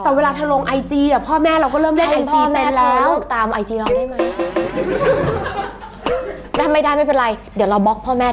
แต่เวลาเธอลงไอจีอะพ่อแม่เราก็เริ่มเล่นไอจีเป็นแล้ว